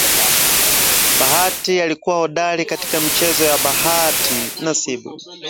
Bahati alikuwa hodari katika michezo ya bahati nasibu